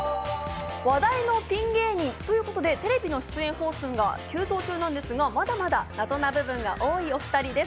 話題のピン芸人ということでテレビの出演本数が急増中なんですが、まだまだ謎な部分が多いお２人です。